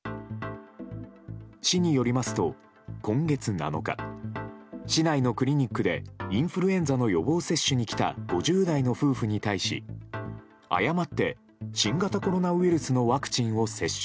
市によりますと、今月７日市内のクリニックでインフルエンザの予防接種に来た５０代の夫婦に対し誤って、新型コロナウイルスのワクチンを接種。